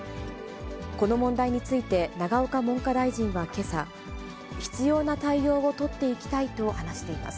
この問題について永岡文科大臣はけさ、必要な対応を取っていきたいと話しています。